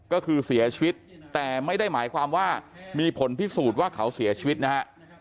ก็คือเสียชีวิตแต่ไม่ได้หมายความว่ามีผลพิสูจน์ว่าเขาเสียชีวิตนะฮะ